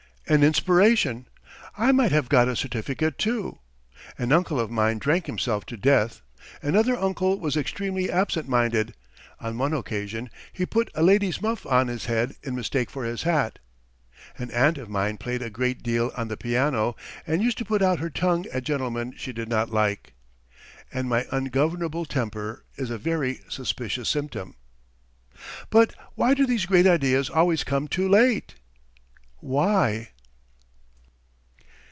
An inspiration! I might have got a certificate too. An uncle of mine drank himself to death, another uncle was extremely absent minded (on one occasion he put a lady's muff on his head in mistake for his hat), an aunt of mine played a great deal on the piano, and used to put out her tongue at gentlemen she did not like. And my ungovernable temper is a very suspicious symptom. But why do these great ideas always come too late? Why?